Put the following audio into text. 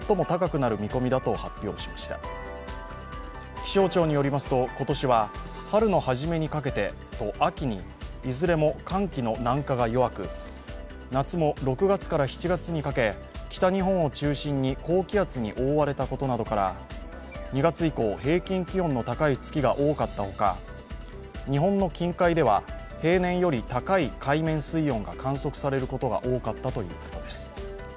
気象庁によりますと、今年は春のはじめにかけてと秋にいずれも寒気の南下が弱く、夏も６月から７月にかけ北日本を中心に高気圧に覆われたことなどから２月以降、平均気温の高い月が多かったほか、日本の近海では平年より高い海面水温が観測されることが多かったということです。